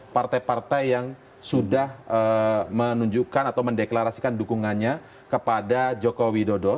partai partai yang sudah menunjukkan atau mendeklarasikan dukungannya kepada joko widodo